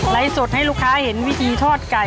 สดให้ลูกค้าเห็นวิธีทอดไก่